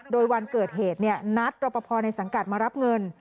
โดยวันเกิดเหตุนัดรอปภในสังกัดมารับเงิน